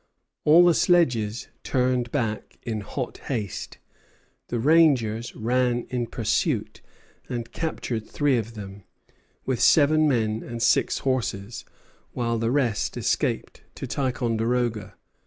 All the sledges turned back in hot haste. The rangers ran in pursuit and captured three of them, with seven men and six horses, while the rest escaped to Ticonderoga.